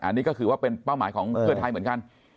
อันนี้ก็คือว่าเป็นเป้าหมายของเพื่อไทยเหมือนกัน